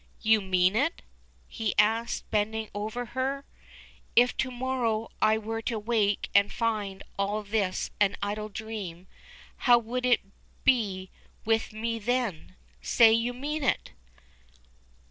"You mean it?" he asks, bending over her. "If to morrow I were to wake and find all this an idle dream, how would it be with me then? Say you mean it!"